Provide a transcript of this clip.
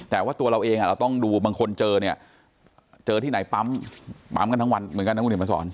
แต่ว่าตัวเราเองเราต้องดูบางคนเจอเนี่ยเจอที่ไหนปั๊มปั๊มกันทั้งวันเหมือนกันนะคุณเห็นมาสอน